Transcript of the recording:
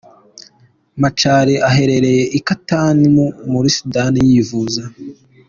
Machar aherereye i Khartoum muri Sudani yivuza.